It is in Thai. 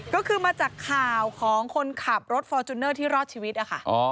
ก็คือมาจากข่าวของคนขับรถฟอร์จูเนอร์ที่รอดชีวิตนะคะ